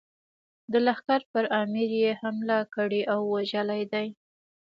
د لښکر پر امیر یې حمله کړې او وژلی دی.